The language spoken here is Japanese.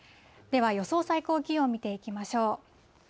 では、予想最高気温、見ていきましょう。